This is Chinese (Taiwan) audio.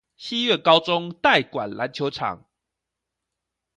西苑高中代管籃球場